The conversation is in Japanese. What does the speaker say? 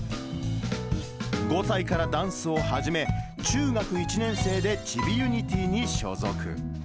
５歳からダンスをはじめ、中学１年生でチビユニティーに所属。